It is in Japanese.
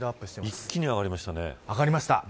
一気に上がりましたね。